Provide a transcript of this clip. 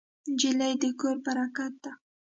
نجلۍ د کور برکت ده.